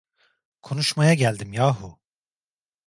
Konuşmaya geldim yahu!